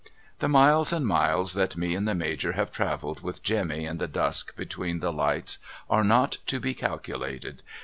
The miles and miles that me and the Major have travelled with Jemmy in the dusk between the lights are not to be calculated.